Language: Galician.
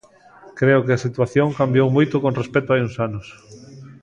Creo que a situación cambiou moito con respecto a hai uns anos.